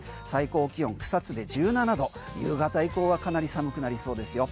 最高気温、草津で１７度夕方以降はかなり寒くなりそうですよ。